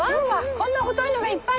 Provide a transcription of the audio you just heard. こんな太いのがいっぱい！